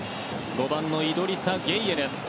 ５番のイドリサ・ゲイエです。